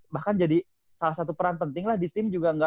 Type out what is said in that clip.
bahkan jadi salah satu peran penting lah di tim juga